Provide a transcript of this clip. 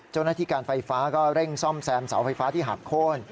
เจ้าหน้าที่การไฟฟ้าก็เร่งซ่อมแซมเสาไฟฟ้าที่หักโค้น